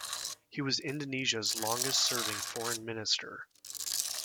He was Indonesia's longest serving foreign minister.